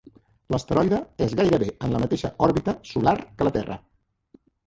L'asteroide és gairebé en la mateixa òrbita solar que la Terra.